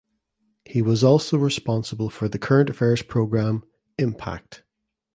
He was also responsible for the current affairs program "Impact".